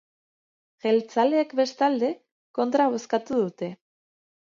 Jeltzaleek bestalde, kontra bozkatu dute.